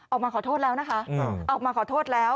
ออกมาขอโทษแล้วนะคะออกมาขอโทษแล้ว